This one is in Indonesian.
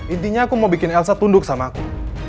intinya aku mau bikin elsa tunduk sama aku